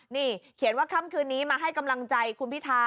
นี่เขียนว่าค่ำคืนนี้มาให้กำลังใจคุณพิทา